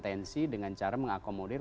tensi dengan cara mengakomodir